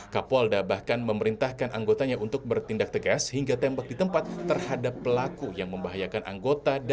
kapolda bahkan memerintahkan anggotanya untuk bertindak tegas hingga tembak di tempat terhadap pelaku yang membahayakan anggota dpr